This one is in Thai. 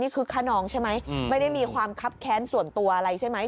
ขนองใช่ไหมไม่ได้มีความคับแค้นส่วนตัวอะไรใช่ไหม